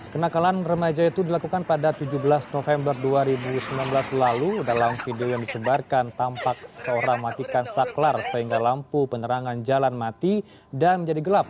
kenakalan remaja itu dilakukan pada tujuh belas november dua ribu sembilan belas lalu dalam video yang disebarkan tampak seseorang matikan saklar sehingga lampu penerangan jalan mati dan menjadi gelap